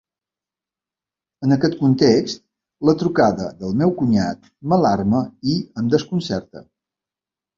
En aquest context, la trucada del meu cunyat m'alarma i em desconcerta.